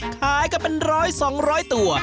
ขายกันเป็น๑๐๐๒๐๐ตัว